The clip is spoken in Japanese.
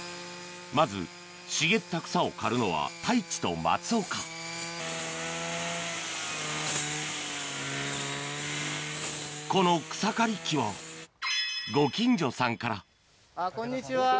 まず茂った草を刈るのは太一と松岡この草刈り機はあっこんにちは。